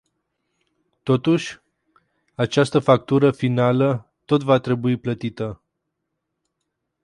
Totuși, această factură finală tot va trebui plătită.